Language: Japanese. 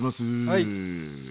はい。